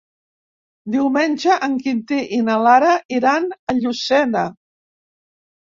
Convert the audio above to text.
Diumenge en Quintí i na Lara iran a Llucena.